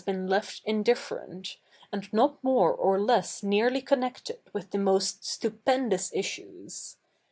i left indifferent, and not more or less nearly coimected with the most stupendous issues.